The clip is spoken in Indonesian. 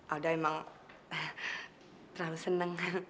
alda emang terlalu senang